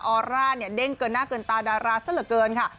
อร่าเนี่ยเด้งเกินหน้าเกินตาดาราซะเหลือเกินค่ะ